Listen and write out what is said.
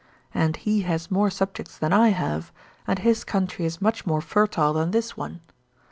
And he has more subjects than I have, and his country is much more fertile than. this one.